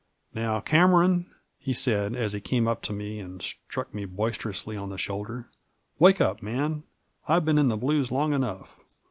"Now, Cameron," he said, as he came up to me and struck me boisterously on the shoulder, " wake up, man. I've been in the blues long enough.